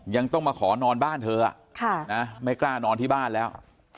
ยังต้องมาขอนอนบ้านเธอไม่กล้านอนที่บ้านแล้ว